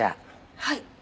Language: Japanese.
はい！